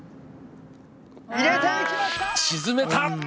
沈めた！